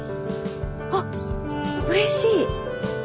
あうれしい！